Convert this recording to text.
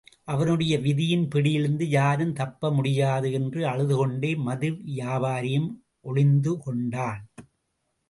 அவனுடைய விதியின் பிடியிலிருந்து யாரும் தப்ப முடியாது! என்று அழுதுகொண்டே மது வியாபாரியும் ஒளிந்துகொண்டான்.